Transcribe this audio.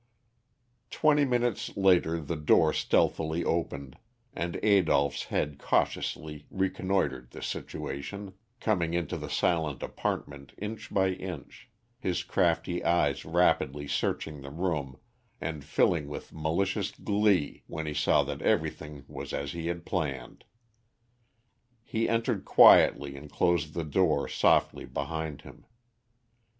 Twenty minutes later the door stealthily opened, and Adolph's head cautiously reconnoitred the situation, coming into the silent apartment inch by inch, his crafty eyes rapidly searching the room and filling with malicious glee when he saw that everything was as he had planned. He entered quietly and closed the door softly behind him.